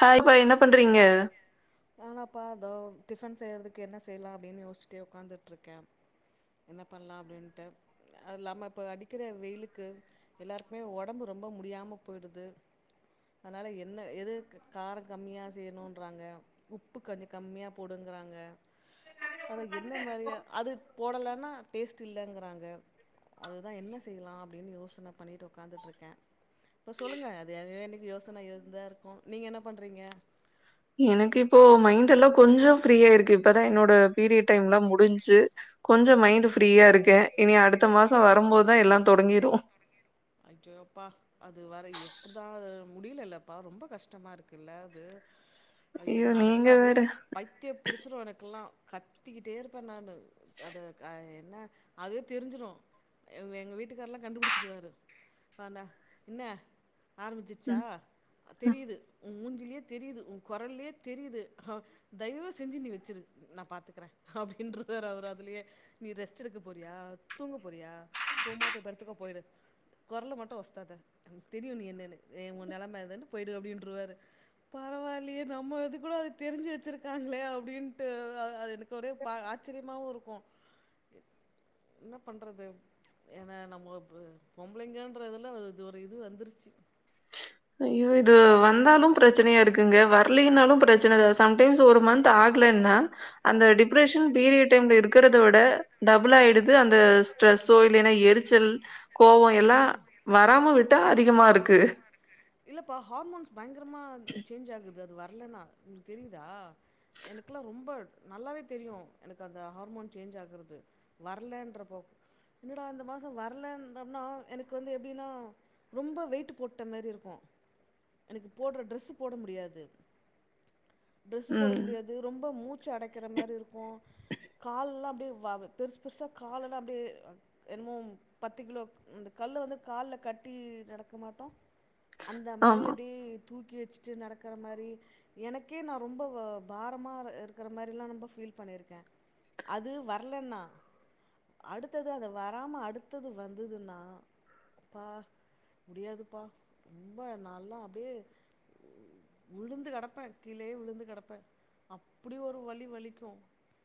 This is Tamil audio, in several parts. ஹாய் இப்ப என்ன பண்றிங்க நானாப்பா இதோ டிஃபன் செய்யறதுக்கு என்ன செய்லா அப்டின்னு யோசிச்சுட்டே உக்காந்துட்டு இருக்க என்ன பண்லா அப்டின்ட்டு அதுல்லாம இப்ப அடிக்கிற வெயிலுக்கு எல்லாருக்குமே ஒடம்பு ரொம்ப முடியாம போயிடுது அதனால என்ன எது கார கம்மியா செய்யணுன்றாங்க உப்பு கொஞ்ச கம்மியா போடுங்றாங்க அத என்ன மாரியா அது போடலன்னா டேஸ்ட் இல்லங்றாங்க அதுதா என்ன செய்யலா அப்டின்னு யோசன பண்ணிட்டு ஒக்காந்துட்ருக்கே இப்ப சொல்லுங்க அது ஏனிங் யோசன இருந்துதா இருக்கு நீங்க என்ன பண்றிங்க எனக்கு இப்போ மைண்ட் எல்லா கொஞ்ச ஃப்ரீயா இருக்கு இப்பதா என்னோட பீரியட் டைம்லா முடிஞ்சு கொஞ்ச மைண்ட் ஓகே ஃப்ரீயா இருக்க இனி அடுத்த மாச வரும்போதுதா எல்லா தொடங்கிரு ஐயோ அப்பா அது வர எப்பிடிதா முடியலல்லப்பா ரொம்ப கஷ்டமா இருக்குல்ல அது ஐயோ நா நீங்க எனக்குலா அப்டியே வேற பைத்தியம் புடிச்சிடு எனக்கெல்லா கத்திகிட்டே இருப்ப நானு அத க என்ன அதுவே தெரிஞ்சிரு எங் எங்க வீட்டுக்காரலா கண்டுபிடிச்சுருவாரு பண்ண என்ன ஆரம்பிச்சிருச்சா ம் ம் தெரியுது உ மூஞ்சிலயே தெரியுது உ கொரல்லயே தெரியுது அ தயவு செஞ்சு நீ வச்சிரு நா பாத்துக்ற அப்டின்ருவாரு அவரு அதுலயே நீ ரெஸ்ட் எடுக்க போறியா தூங்க போறியா போமா போய்படுத்துக்க போயிடு கொரல மட்டு ஒஸத்தாதா எனக்கு தெரியும் நீ என்னென்னு ஏ உங்க நெலமை இருந்துன்னு போய்டு அப்டின்ருவாரு பரவால்லையே நம்ம இது கூட அது தெரிஞ்சு வச்சுருக்காங்ளே அப்டின்ட்டு அ அது எனக் கு ஒரே ப ஆச்சரியமாவு இருக் கு என்ன பண்றது ஏனா நம்ம இப்ப பொம் பளைங்கன்ற இதுல இது ஒரு இது வந்துருச்சு ஐயோ இது வந்தாலு பிரச்சனையா இருக்குங்க வரலீன்னாலு பிரச்சன சம்டைம்ஸ் ஒரு மந்த் ஆகலன்னா அந்த டிப்ரஷன் பீரியட் டைம்ல இருக்கிறத விட டபுள் ஆயிடுது அந்த ஸ்ட்ரெஸ்ஸோ இல்லைன்னா எரிச்சல் கோவோ எல்லா வராம விட்டா அதிகமா இருக்கு இல்லப்பா ஹார்மோன்ஸ் பயங்கரமா அது சேஞ்ச் ஆகு து அது வரலனா உங்களுக்கு தெரியுதா எனக்குல்லா ரொம்ப நல்லாவே தெரியு எனக்கு அந்த ஹார்மோன் சேஞ்ச் ஆகுறது வரலன்ட்றபோ என்னடா இந்த மாசோ வரலனா எனக்கு வந்து எப்படின்னா ரொம்ப வெயிட் போட்ட மாரி இரு க்கு எனக்கு போட்ற டிரஸு போட முடியாது டிரெஸு போட ம் முடியாது, ரொம்ப மூச்சு அடைக்கிற மாரி இருக்கு கால்லா அப்டியே வ பெருசு பெருசா காலெல்லா அப்டியே என்னமோ பத்து கிலோ இந்த கல்ல வந்து கால்ல கட்டி நடக்க மாட்டோ அந்த மாரி ஆமா. அப்டி தூக்கி வெச்சுட்டு நடக்கிற மாரி எனக்கே நா ரொம்ப ப பாரமா இ இருக்கிற மாரிலா ரொம்ப ஃபீல் பண்ணிருக்க அது வரலன்னா அடுத்தது அத வராம அடுத்தது வந்துதுன்னா அப்பா முடியாதுப்பா ரொம்ப நாலா அப்டியே விழுந்து கெடப்ப கீழயே விழுந்து கெடப்ப அப்பிடி ஒரு வலி வலிக்கு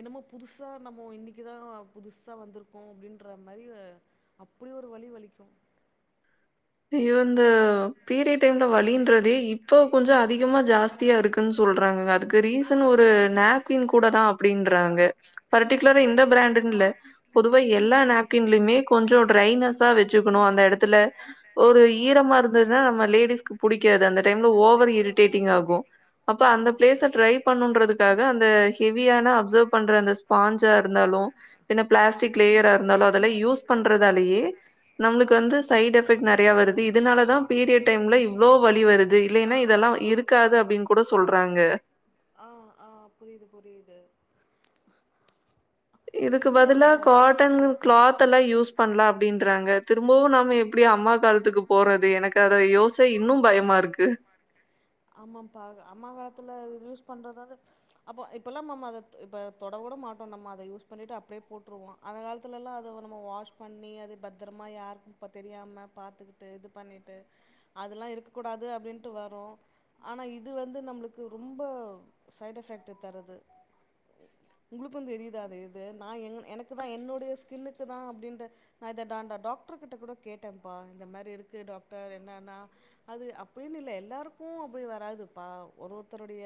என்னமோ புதுசா நம்ம இன்னைக்குதா புதுசா வந்துருக்கோ அப்டின்ற மாரி அப்புடி ஒரு வலி வலிக்கு இ இந்த பீரியட் டைம்ல வலின்றதே இப்ப கொஞ்ச அதிகமா ஜாஸ்தியா இருக்குன் சொல்றாங்க அதுக்கு ரீசன் ஒரு நாப்கின் கூடதா அப்டின்றாங்க பர்டிகுலரா இந்த பிராண்டுன் அப்படியா இல்ல பொதுவா ஆ எல்லா நேப்கின்லயுமே கொஞ்ச ட்ரைனஸ் ஆ வெச்சுக்கணு அந்த எடத்துல ஒரு ஆ ஈரமா இருந்ததுனா நம்ம லேடிஸ்க்கு புடிக்காது அந்த டைம்ல ஓவர் இரிட்டேட்டிங் ஆகு அப்ப அந்த ஆமா பிளேஸ ட்ரை பண்ணுன்றதுக்காக அந்த ஹெவியான அப்சர்வ் பண்ற அந்த ஸ்பாஞ்சா இருந்தாலு பின்ன ஆ பிளாஸ்டிக் லேயரா இருந்தாலு அதெல்லா யூஸ் பண்றதாலேயே நம்ளுக்கு வந்து ஆ சைட் எஃப நெறைய வருது இதனாலதா பீரியட் டைம்ல இவ்வளே வலி வருது இல்லைன்னா இதெல்லா இருக்காது அப்டின்னு கூட சொல்றாங்க ஆஹ் ஆஹ் புரியுது புரியுது இதுக்கு இல்ல பதிலா இல்ல காட்டன் கிளாத் எல்லா யூஸ் பண்ணலா அப்படின்றாங்க திரும்பவு நாம எப்டி அம்மா காலத்து த்துக்கு போறது எனக்கு அத யோஸ்ச்சா இன்னு பயமா இருக்கு ஆமாபா அம்மா காலத்துல யூஸ் பண்றதுத அப்போ இப்பேல்லா அத இப்ப தொட கூட மாட்டோ நம்ம அத யூஸ் பண்ணிட்டு அப்படியே போட்டுருவோ அந்த காலத்துல எல்லா அத நம்ம வாஷ் பண்ணி அது பத்திரமா யாருக்கு இப்ப தெரியாம பாத்துக்கிட்டு இது பண்ணிட்டு அதெல்லா இருக்க கூடாது அப்படின்ட்டு வரு ஆனா இது வந்து நம்மளுக்கு ரொம்ப சைடு் எஃபெக்ட்டு தருது உங்களுக்கு தெரியுதா அது இது நா எனக்கு தா என்னுடைய ஸ்கின்னுக்கு தா அப்படின்ற நா இத டாண் டாக்டரு கிட்ட கூட கேட்டன்ப்பா இந்த மாரி இருக்கு டாக்டர் என்னன்னா அது அப்படின்னு இல்ல எல்லாருக்கு போய் வராதுப்பா ஒருத்தருடைய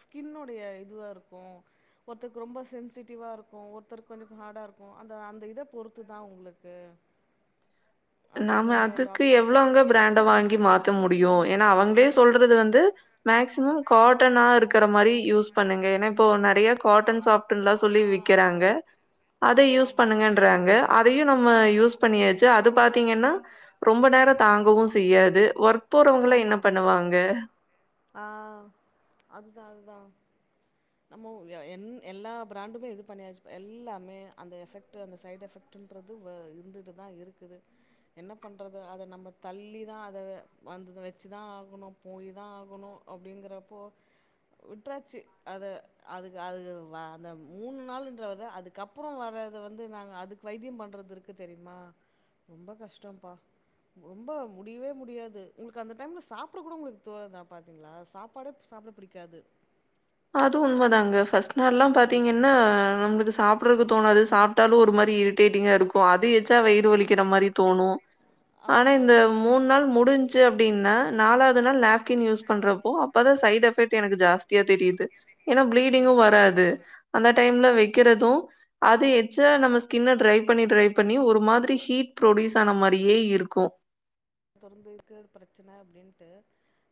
ஸ்கினுடைய இதுவா இருக்கு ஒருத்தக்கு ரொம்ப சென்சிடிவா இருக்கு ஒருத்த கொஞ்ச ஹார்டா இருக்கு இத பொருத்து தா அவுங்களுக்கு நாம அப்டிங்கிறாங்க அதுக்கு டாக்டர் எவ்வளோங்க பிராண்ட வாங்கி மாத்த முடியும்? ஏன்னா, அவங்களே சொல்றது வந்து மேக்சிமம் காட்டனா இருக் ங்ற மாரி யூஸ் பண்ணுங்க ஏன்னா இப்போ நிறைய காட்டன் சாப் சொல்லி ஆ விக்கிறாங்க அத யூஸ் ஆமாம் பண்ணுங்கன்றாங்க அதையு நம்ம யூஸ் பண்ணியாச்சு அது பாத்தீங்கன்னா ரொம்ப நேர தாங்கவு செய்யாது வெர்க் போறவங்களா என்ன பண்ணுவாங்க ஆஹ் அத் அது த நம்மே எ எல்லா பிராண்டுமே இது பண்ணியாச்சு எல்லாமே அந்த எஃபெக்ட் அந்த சைடு் எஃபெக்ட்ன்றது இருந்துட்டுதா இருக்குது என்ன பண்றது அதை நம்ம தள்ளிதா அதந்து வச்சுதா ஆகணும் போய் தான் ஆகணு அப்படிங்கறப்போ விட்டாச்சு அத அதுக்கு அது வ அந்த மூணு நாளுன்றத அதுக்கப்புற வரத வந்து நாங்க அதுக்கு வைத்திய பண்ணுறது இருக்கு தெரியுமா ரொம்ப கஷ்டம்ப்பா ரொம்ப முடியவே முடியாது உங்களுக்கு அந்த டைம்ல சாப்பிட கூட உங்களுக்கு தோணுதா பார்த்தீங்களா சாப்பாடே சாப்பிட பிடிக்காது அது உண்ம தாங்க ஃபர்ஸ்ட் நாள் எல்லா பாத்தீங்கன்னா நம சாப்பிறக்கு தோணாது சாப்பிட்டாலு ஒரு மாரி இரிட்டேட்டிங்கா இருக்கு அது ஏச்சா வயிறு வலிக்கிற மாரி தோணு ஆனா ஆமா இந்த மூணு நாள் முடிஞ்சு அப்டி னா நாலாவது நாள் நாப்கின் யூஸ் பண்றப்போ அப்பதா சைட் எபெக்ட் எனக்கு ஜாஸ்தியா தெரியுது ஏன்னா பிளீடிங்கு வராது அந் டைம்ல வைக்கிறது அது எச்சா நம்ம ஸ்கின ட்ரை பண்ணி ட்ரை பண்ணி ஒரு மாதிரி ஹீட் ப்ரொடியூஸ் ஆன மாரியே இருக்கு திறந்துக்கு பிரச்சன அப்டின்ட்டு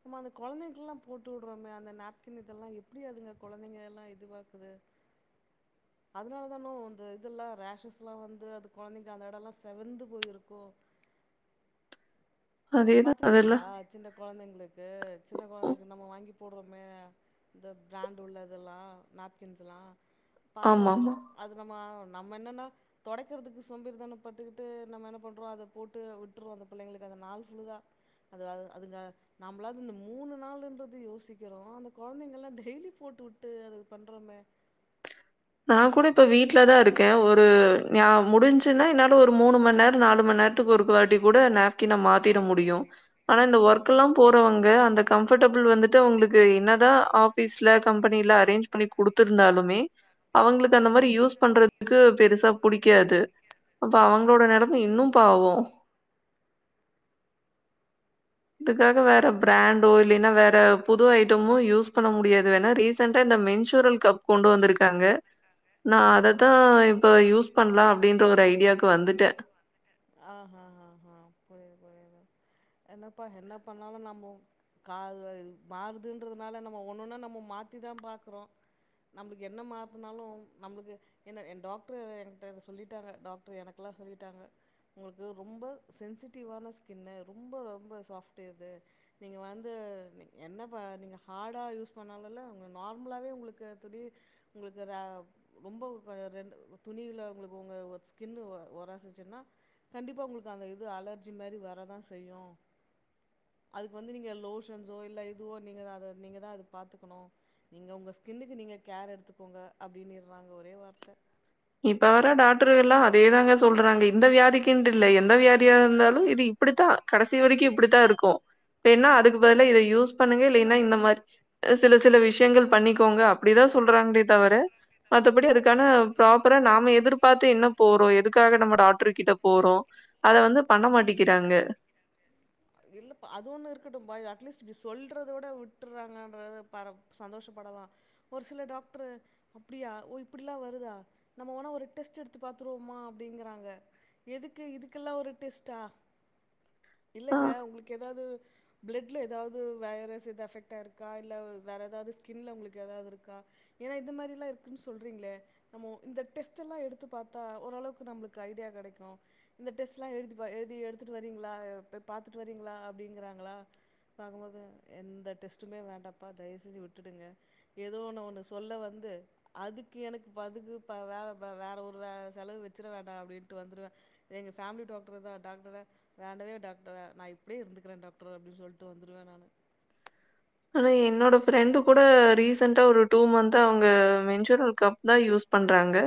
நம்ம அந்த குழந்தைங்ல்லா போட்டு விடுறோமே அந்த நாப்கின் இதெல்லா எப்டி அதுங்க குழந்தைங்க எல்லா இதுவாக்குது அதனாலதானே அந்த இதெல்லா ரேஷஸ்லா வந்து அது குழந்தைங்க அந்த எட எல்லா செவந்து போயிருக்கோ அதேதான் பாத்திருக்கீங்களா அதெல்லாம். சின்ன குழந்தைங்களுக்கு சின்ன ஓ! குழந்தைளுக்கு நம்ம வாங்கி போடுறோமே இந்த பிராண்டு் உள்ளதெல்லாம் நாப்கின்ஸ்லாம் பாத்தா ஆமாமா. அது நம்ம நம்ம என்னன்ன தொடக்கிறதுக்கு சோம்பேறித்தன பட்டுக்கிட்டு நம்ம என்ன பண்றோம் அதை போட்டு விட்டுறோம் அந்த பிள்ளைங்களுக்கு அந்த நால த அதுங்க நம்மளாவது இந்த மூணு நாள்ன்றது யோசிக்கிறோம் அந்த குழந்தைங்கல்லாம் டெய்லி போட்டு விட்டு அது பண்றோமே நான் கூட இப்ப வீட்ல தான் இருக் ன் ஒரு ந முடிஞ்சுன்னா என்னால ஒரு மூணு மணி நேரம் நாலு மணி நேரத்துக்கு ஒரு வாட்டி கூட நாப்கின மாத்திட முடியு ஆனா இந்த ஒர்க் ம் எல்லாபோறவங்க அந்த கம்ப கபர்டபுள் வந்துட்டு அவங்களுக்கு என்னதான் ஆபீஸ்ல கம்பெனில அரேஞ்ச் பண்ணி கொடுத்தருந்தாலுமே அவங்களுக்கு அந்த ம் மாதிரி யூஸ் பண்றதுக்கு பெருச புடிக்காது அப்ப அவங்களோட ஆமா நிலைமை இன்னும் பாவோம் இதுக்காக வேற பிராண்டோ இல்லைன்னா வேற புது ஐட்டமும் யூஸ் பண்ண முடியாது வேணா ரீசன்டா இந்த மென்சூரல் கப் கொண்டு வந்திருக்காங்க நா ஆஹா அததா இப்ப யூஸ் பண்லா அப்டின்ற ஒரு ஐடியாக்கு வந்துட்டே ஆஹா ஹாஹா புரியுது புரியுது என்னப்பா என்ன பண்ணாலு நம்மொ காவ் ஆ மாறுதுன்றதுனால நம்ம ஒண்ணொன்னா நம்ம மாத்திதா பாக்குறோ நம்ளுக்கு என்ன மாத்துனாலு நம்ளுக்கு என்ன டாக்ட்ரு என்ட்ட இத சொல்லிட்டாங்க டாக்ட்ரு எனக்குலா சொல்லிட்டாங்க உங்கள்க்கு ரொம்ப சென்சிட்டிவ்வான ஸ்கின்னு ரொம்ப ரொம்ப சாஃப்ட்டு இது நீங்க வந்து என்ன ப நீங்க ஹார்டா யூஸ் பண்ணாலல்ல உங்க நார்மலாவே உங்களுக்கு துணி உங்களுக்கு ர ரொம்ப ரெண்டு துணில உங்களுக்கு உங்க ஸ்கின் ஒராசுச்சின்னா கண்டிப்பா உங்களுக்கு அந்த இது அலர்ஜி மாரி வரதா செய்யு அதுக்கு வந்து நீங்க லோஷன்ஸோ இல்லை இதுவோ நீங்க அத நீங்க தா அத பாத்துக்கணு நீங்க உங்க ஸ்கின்னுக்கு நீங்க கேர் எடுத்துக்கோங்க அப்டின்னிற்றாங்க ஒரே வார்த்த இப்ப வர டாக்டரு எல்லா அதேதாங்க சொல்றாங்க இந்த வியாதிக்கின்ட் இல்ல எந்த வியாதியா இருந்தாலு இது இப்டித்தா கடைசி வரைக்கு இப்டித்தா இருக்கு இப்ப என்னா ஆமா அதுக்கு பதுலா இத யூஸ் பண்ணுங்க இல்லைனா இந்த மார் சில சில விஷயங்கள் பண்ணிக்கோங்க அப்டீதா சொல்றாங்ளே தவர மத்தபடி அதுக்கான ப்ராப்பரா நாம எதிர்பார்த்து என்ன போறோ எதுக்காக நம்ம டாக்ருகிட்ட போறோ அத வந்து பண்ண மாட்டிக்கிறாங்க இல்லப்ப அது ஒண்ணு இருக்கட்டும் பா இது அட்லீஸ் டிஸ் சொல்றத விட விட்டுர்றாங்கன்றத பர சந்தோஷப்படலா ஒரு சில டாக்ட்ரு அப்டியா ஓ இப்பிட்லா வருதா நம்மவோனா ஒரு டெஸ்ட் எடுத்து பாத்துருவோமா அப்டிங்குறாங்க எதுக்கு இதுக்கெல்லா ஒரு டெஸ்டா ஆ இல்லங்க உங்களுக் எதாவது பிளட்ல ஏதாவது வைரஸ் எது அஃபெக்டாய்ருக்கா இல்ல வேற எதாவது ஸ்கின்ல உங்களுக்கு ஏதாவது இருக்கா ஏனா இந்த மாரிலா இருக்குன் சொல்றிங்ளே நமொ இந்த டெஸ்ட்டெல்லாம் எடுத்து பாத்தா ஓளவுக்கு நம்ளுக்கு ஐடியா கெடைக்கு இந்த டெஸ்ட்லா எடுத்துப்பா எழுதி எடுத்துட்டு வரிங்ளா அ வெப் பாத்துட்டு வரீங்ளா அப்டிங்குறாங்களா பாக்கும்போது எந்த டெஸ்ட்டுமே வேண்டாப்பா தயவு செஞ்சு விட்டுடுங்க ஏதோ ஒன்னு ஒன்னு சொல்ல வந்து அதுக்கு எனக்கு பதுக்கு ப வே வேற ஒரு வே செலவு வெச்சிட வேண்டா அப்டின்ட்டு வந்துருவே எங்க ஃபேம்லி டாக்டரு தா டாக்டர வேண்டவே டாக்டர் ல நா இப்டியே இருந்துக்றே டாக்டரு அப்டின் சொல்லிட்டு வந்துருவே நானு அதா என்னோட ஃப்ரெண்டு கூட ரீசன்டா ஒரு டூ மந்த்த் அவங்க மென்சூரல் கப் தா யூஸ் பண்றாங்க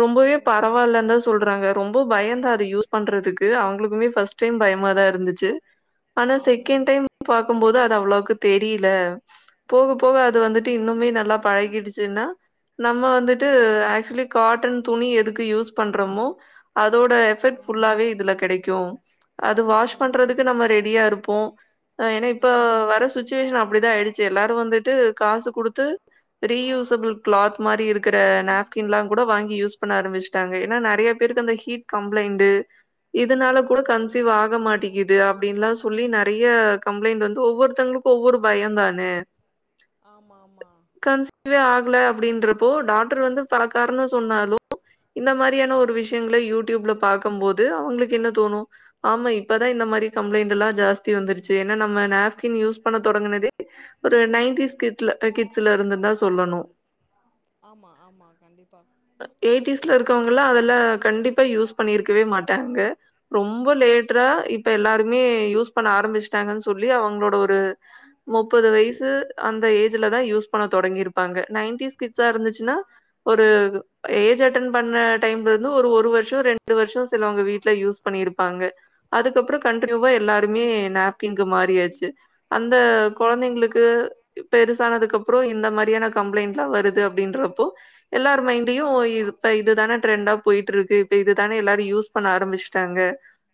ரொம்பவே ம் பரவாயில்லந்தா சொல்றாங்க ரொம்பொ பயநதா அத யூஸ் பண்றதுக்கு அவங்ளுக்குமே ஃபஸ்ட் டைம் பயமாதா இருந்துச்சு ஆனா ம் செக்கெண்ட் டைம் பாக்கும்போது அத் அவ்ளோக்கு தெரிய்ல போக போக அது ம் வந்துட்டு இன்னுமே நல்லா பழகிடுச்சுன்னா நம்ம வந்துட்டு ம் ஆக்சுலி காட் டன் துணி எதுக் கு யூஸ் பண்றமோ அதோட எஃபெக்ட் ஃபுல்லாவே இதுல கெடைக் க்யு அது வாஷ் ம் ம் பண்றதுக்கு நம்ம ரெடியா இருப்போ ஏனா இப்பொ ம் வர ட்டுவேஷன் அப்டிதா ஆயிடுச்சு எல்லாரு வந்துட்டு காசு குடுத்து ரீயூசபிள் கிளாத் மாரி இருக்குற நேப்கின்லா கூட வாங்கி யூஸ் பண்ண ஆரம்பிச்ட்டாங்க ஏனா நெறைய பேருக்கு அந்த ஹீட் கம்ப்ளைண்டு ஆ இதுனால கூட கன்சீவ் ஆக மாட்டி இது அப்டின்லா சொல்லி நெறைய கம்ப்ளைண்ட் வந்து ஒவ்வொருத்தங்ளுக் ஒவ்வொரு பயொந்தானே ஆமா ஆமா குல அப்டின்றப்போ டாக்டர் வந்து பல காரணொ சொன்னாலு இந்த மாரியான ஒரு விஷ்யங்ள யூடியூப்ல பாக்கம்போது அவுங்ளுக்கு என்ன தோணு ஆமா இப்பதா இந்த மாரி கம்ளைண்ட்டுல்லா ஜாஸ்தி வந்துருச்சு என்னா நம்ம நாப்கின் யூஸ் பண்ண தொடங்குனதே ஒரு நைன்டிஸ் கிட்ல கிட்ஸ்லருந்துன்தா சொல்லணு ஆமா ஆமா கண்டிப்பா எயிட்டிஸ்ல நைன்டி இருக்கவங்கல்லா அதெல்லா தான் கண்டிப்பா யூஸ் பண்ணிருக்கவே மாட் டாங்க ரொம்ப லேட்ரா இப்ப எல்லாருமே யூஸ் பண்ண ஆரம்மிச்டாங்கன் சொல்லி அவுங்ளோட ஒரு முப்பது வயசு அந்த ஏஜ்லதா யூஸ் பண்ண தொடங்கிருப்பாங்க நைன்டிஸ் கிட்ஸா இருந்துச்சுனா ஒரு ஏஜ் அட்டன் பண்ண டைம்லெந்து ஒரு ஒரு வருஷொ ரெண்டு வருஷொ சிலவங்க வீட்ல யூஸ் பண்ணிருப்பாங்க அதுக்கப்றோ கண்ட்னியூவா எல்லாருமே நாப்கின்கு மாறியாச்சு அந்த ம் கொழந்தைங்ளுக்கு பெருசானதுக்கப்றோ இந்த மாரியான கம்ப்ளைண்ட்லா வருது அப்டின்றப்போ எல்லார் மைண்டையு இப்ப இதுதான ட்ரெண்டா போயிட்ருக்கு இப்ப இது தானே எல்லாரு யூஸ் பண்ண ஆரம்பிச்ட்டாங்க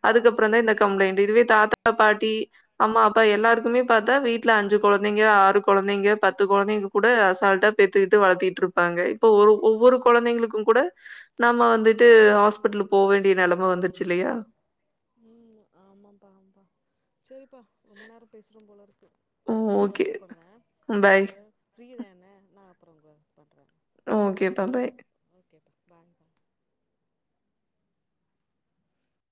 அதுக்கப்றந்தா இந்த ம் கம்ளைண்ட் இதுவே தாத்தா பாட்டி அம்மா அப்பா எல்லாருக்குமே பாத்தா வீட்ல அஞ்சு கொழந்தைங்க ஆறு கொழந்தைங்க பத்து கொழந்தைங்க கூட அசால்டா பெத்துக்கிட்டு வளத்திட்ருப்பாங்க இப்ப ஒரு ஒவ்வொரு கொழந்தைங்களுக்கு கூட நம்ம வந்துட்டு ஹாஸ்பிட்லு போ வேண்டிய நெலம வந்துருச்சு இல்லையா உம் ஆமாப்பா ஆம்பா செரிப்பா ரொம்ப நேரம் பேசுறம் போலருக் ஓ நா அப்ற ஓகே. கூப்புட்றே பாய். உங்ளுக்கு ஃப்ரீதான நா அப் அப்புறங்க ஓகேப்பா பாய் ஓகேப்பா பாய் பா